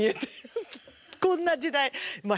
こんな時代まあ